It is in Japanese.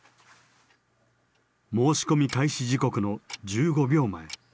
申し込み開始時刻の１５秒前。